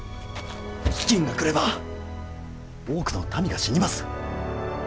飢饉が来れば多くの民が死にます。